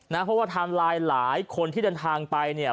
เพราะว่าไทม์ไลน์หลายคนที่เดินทางไปเนี่ย